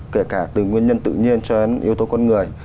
kể cả từ nguyên nhân tự nhiên cho đến yếu tố con người